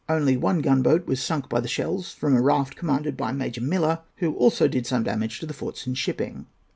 Only one gunboat was sunk by the shells from a raft commanded by Major Miller, who also did some damage to the forts and shipping.